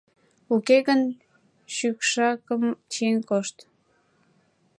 — Уке гын, шӱкшакым чиен кошт...